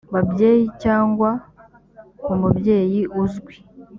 babyeyi cyangwa ku mubyeyi uzwi